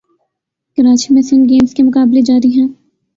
کراچی میں سندھ گیمز کے مقابلے جاری ہیں